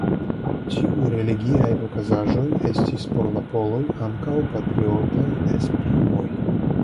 Tiuj religiaj okazaĵoj estis por la poloj ankaŭ patriotaj esprimoj.